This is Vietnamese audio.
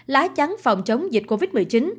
lái chắn phòng chống dịch covid một mươi chín